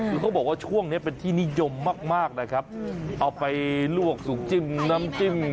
คือเขาบอกว่าช่วงนี้เป็นที่นิยมมากมากนะครับเอาไปลวกสุกจิ้มน้ำจิ้ม